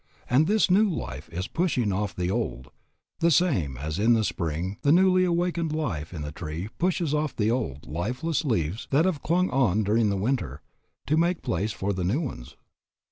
And this new life is pushing off the old, the same as in the spring the newly awakened life in the tree pushes off the old, lifeless leaves that have clung on during the winter, to make place for the new ones.